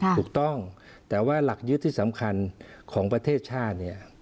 ถูกต้องแต่ว่าหลักยึดที่สำคัญของประเทศชาติเนี่ย